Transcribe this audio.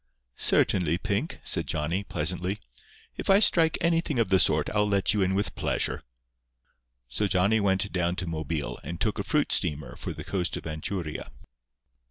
"Certainly, Pink," said Johnny, pleasantly. "If I strike anything of the sort I'll let you in with pleasure." So Johnny went down to Mobile and took a fruit steamer for the coast of Anchuria.